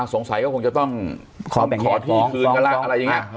สงสัยก็คงจะต้องขอที่คืนกันแล้วอะไรอย่างนี้